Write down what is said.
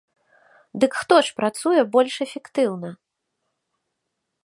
Дык хто ж працуе больш эфектыўна?